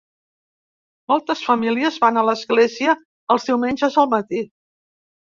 Moltes famílies van a l'església els diumenges al matí.